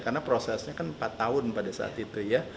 karena prosesnya kan empat tahun pada saat itu ya